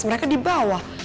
mereka di bawah